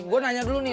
gua nanya dulu nih